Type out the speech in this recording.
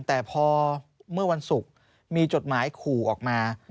แต่พอเมื่อวันศุกร์มีจดหมายขู่ออกมา